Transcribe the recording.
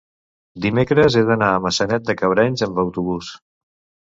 dimecres he d'anar a Maçanet de Cabrenys amb autobús.